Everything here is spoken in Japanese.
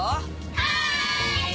はい‼